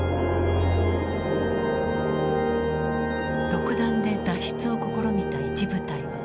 独断で脱出を試みた一部隊。